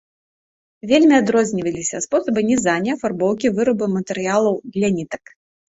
Вельмі адрозніваліся спосабы нізання, афарбоўкі, выбару матэрыялаў для нітак.